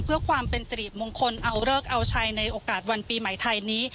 เพื่อความเป็นสิริมงคลเอาเลิกเอาชัยในโอกาสวันปีใหม่ไทยนี้